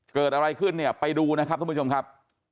เกิดอะไรขึ้นเนี่ยไปดูนะครับท่านผู้ชมครับ